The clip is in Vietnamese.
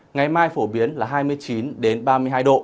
ngày mai phổ biến là hai mươi chín ba mươi hai độ